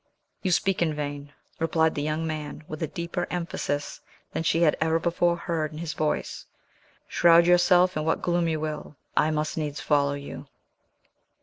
"You speak in vain," replied the young man, with a deeper emphasis than she had ever before heard in his voice; "shroud yourself in what gloom you will, I must needs follow you."